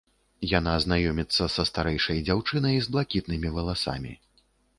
Яна знаёміцца са старэйшай дзяўчынай, з блакітнымі валасамі.